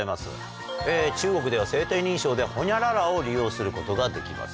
中国では生体認証でホニャララを利用することができます。